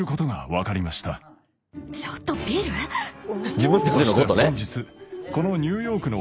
自分たちのことね。